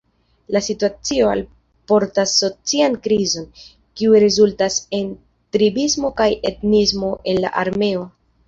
La situacio alportas socian krizon, kiu rezultas en tribismo kaj etnismo en la armeo.